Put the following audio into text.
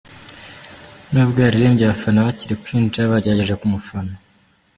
Nubwo yaririmbye abafana bakiri kwinjira bagerageje kumufana